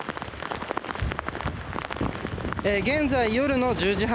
現在、夜の１０時半。